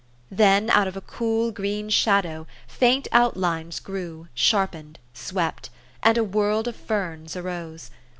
Then out of a cool, green shadow faint outlines grew, sharpened, swept ; and a world of ferns arose.